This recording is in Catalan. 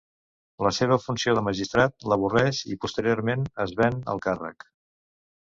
La seva funció de magistrat l'avorreix, i posteriorment es ven el càrrec.